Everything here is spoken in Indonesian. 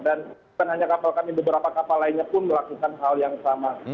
dan bukan hanya kapal kami beberapa kapal lainnya pun melakukan hal yang sama